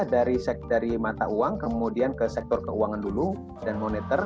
dari mata uang kemudian ke sektor keuangan dulu dan moneter